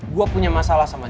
gue punya masalah sama